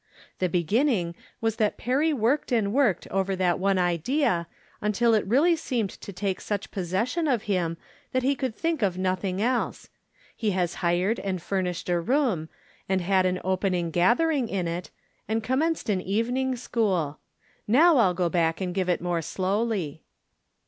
The begin ning was that Perry worked and worked over that one idea until it really seemed to take such possession of him that he could think of nothing else. He has hired and furnished a room, and 138 From Different Standpoints. 139 liad an opening gathering in it, and commenced an evening school. Now I'll go back and give it more slowly.